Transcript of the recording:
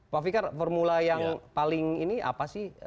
pak fikar formula yang paling ini apa sih